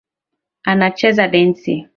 Anacheza densi